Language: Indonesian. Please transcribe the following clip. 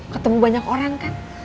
ketemu banyak orang kan